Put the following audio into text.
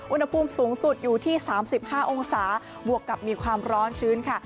อุณหภูมิสูงสุดอยู่ที่๓๕องศาบวกกับมีความร้อนชื้นค่ะ